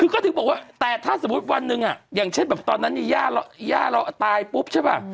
ก็ถึงบอกว่าถ้าสมมติวันหนึ่งอย่างเช่นก็ถือว่าเจ้าตายปกติ